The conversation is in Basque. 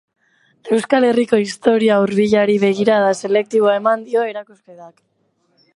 Euskal Herriko historia hurbilari begirada selektiboa eman dio erakusketak.